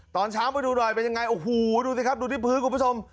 ตอนเช้ามาดูหน่อยเป็นยังไงโอ้โหดูสิครับดูที่พื้นคุณผู้ชม